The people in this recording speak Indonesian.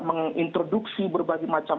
menginterduksi berbagai macam